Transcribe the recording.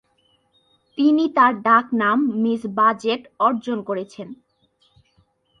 তিনি তার ডাক নাম "মিস বাজেট" অর্জন করেছেন।